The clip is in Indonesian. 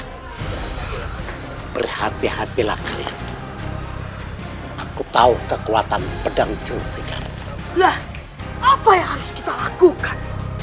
hai berhati hatilah klien aku tahu kekuatan pedang jubikarnya lah apa yang harus kita lakukan